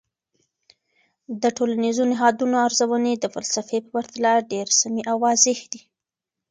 د ټولنیزو نهادونو ارزونې د فلسفې په پرتله ډیر سمی او واضح دي.